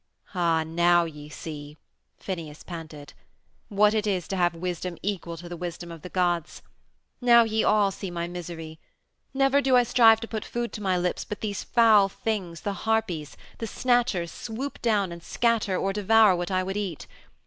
"Ah, now ye see," Phineus panted, "what it is to have wisdom equal to the wisdom of the gods. Now ye all see my misery. Never do I strive to put food to my lips but these foul things, the Harpies, the Snatchers, swoop down and scatter or devour what I would eat.